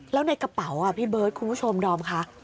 แล้วในกระเป๋าพี่เบิร์ดคุณผู้ชมดอมค่ะ